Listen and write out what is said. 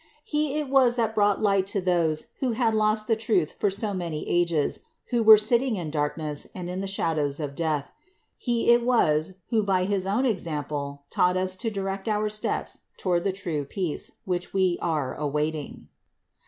He it was that brought light to those who had lost the truth for so many ages, who were sitting in darkness and in the shadows of death. He it was who by his own example taught us to direct our steps toward the true peace, which we were awaiting.